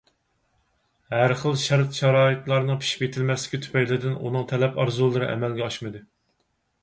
ھەر خىل شەرت-شارائىتلارنىڭ پىشىپ يېتىلمەسلىكى تۈپەيلىدىن ئۇنىڭ تەلەپ-ئارزۇلىرى ئەمەلگە ئاشمىدى.